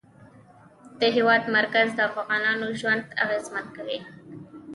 د هېواد مرکز د افغانانو ژوند اغېزمن کوي.